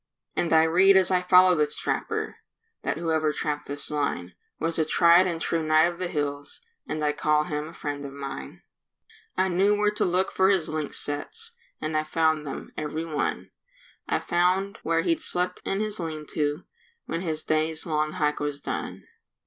And I read as I follow this trapper, That whoever trapped this line Was a tried and true knight of the hills, And I call him a friend of mine. I knew where to look for his lynx sets, And I found them, every one; I found where he'd slept in his lean to When his day's long hike was done.